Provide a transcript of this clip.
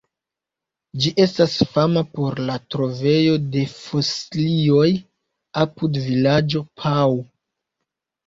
Ĝi estas fama por la trovejo de fosilioj apud vilaĝo Pau.